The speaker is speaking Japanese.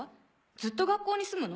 ずっと学校に住むの？